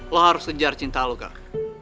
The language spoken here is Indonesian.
lo harus sejar cinta lo kak